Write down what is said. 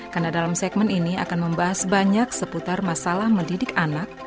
karena dalam segmen ini akan membahas banyak seputar masalah mendidik anak